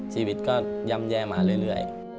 ชีวิตก็ย่ำแย่มาเรื่อย